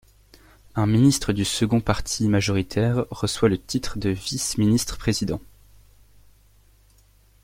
Un ministre du second parti majoritaire reçoit le titre de Vice-Ministre-Président.